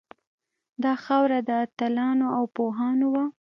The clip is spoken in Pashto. دا خاوره د اتلانو او پوهانو وه